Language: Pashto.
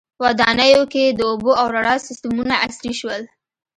• ودانیو کې د اوبو او رڼا سیستمونه عصري شول.